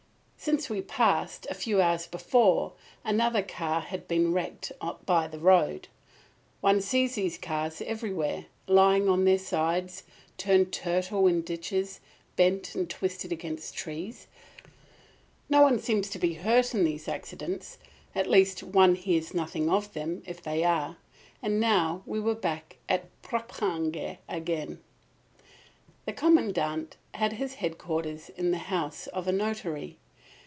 Since we passed, a few hours before, another car had been wrecked by the road. One sees these cars everywhere, lying on their sides, turned turtle in ditches, bent and twisted against trees. No one seems to be hurt in these accidents; at least one hears nothing of them, if they are. And now we were back at Poperinghe again. The Commandant had his headquarters in the house of a notary.